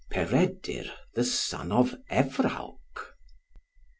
PEREDUR THE SON OF EVRAWC.